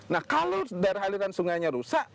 nah kalau daerah aliran sungainya rusak